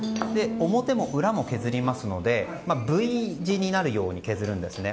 表も裏も削りますのでＶ字になるように削るんですね。